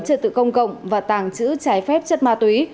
trật tự công cộng và tàng trữ trái phép chất ma túy